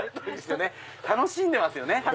楽しんでますよね。